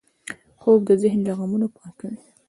خوب د ذهن له غمونو پاکوي